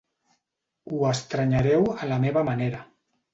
Ho estrenyereu a la meva manera.